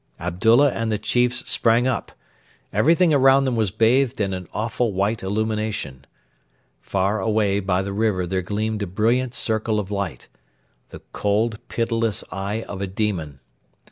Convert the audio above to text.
Abdullah and the chiefs sprang up. Everything around them was bathed in an awful white illumination. Far away by the river there gleamed a brilliant circle of light the cold, pitiless eye of a demon.